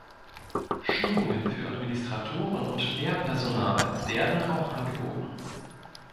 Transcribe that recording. Schulungen für Administratoren und Lehrpersonal werden auch angeboten.